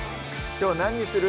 きょう何にする？